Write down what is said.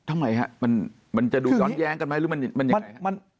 มันจะดูย้อนแย้งกันไหมหรือมันอย่างไรครับ